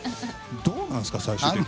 どうなんですか、最終的に。